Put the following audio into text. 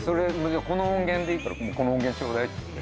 この音源でいいからこの音源ちょうだいっつって。